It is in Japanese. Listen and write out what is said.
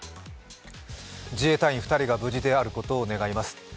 自衛隊員２人が無事であることを願います。